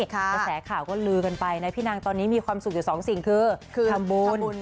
แต่แสข่าก็ลือกันไปนะอย่างนี้มีความสุขอยู่๒สิ่งคือทำบุญ